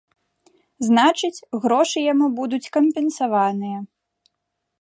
Значыць, грошы яму будуць кампенсаваныя.